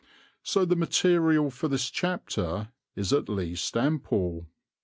So the material for this chapter is at least ample.